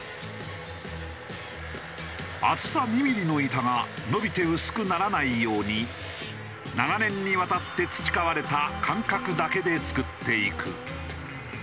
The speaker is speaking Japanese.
厚さ２ミリの板が延びて薄くならないように長年にわたって培われた感覚だけで作っていく。